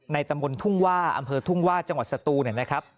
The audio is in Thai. ตำบลทุ่งว่าอำเภอทุ่งว่าจังหวัดสตูเนี่ยนะครับ